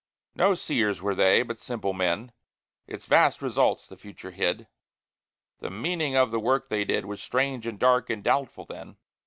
No seers were they, but simple men; Its vast results the future hid: The meaning of the work they did Was strange and dark and doubtful then.